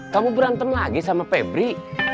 kamu berantem lagi sama pebri